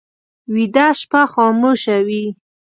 ویده شپه خاموشه وي